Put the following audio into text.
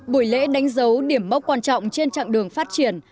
buổi lễ đánh dấu điểm mốc quan trọng trên chặng đường phát triển